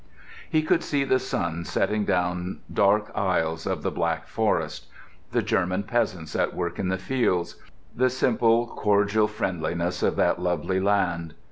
He could see the sun setting down dark aisles of the Black Forest; the German peasants at work in the fields; the simple, cordial friendliness of that lovely land.